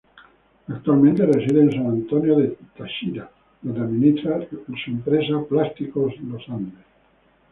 Actualmente reside en San Antonio del Táchira donde administra su empresa Plástico Los Andes.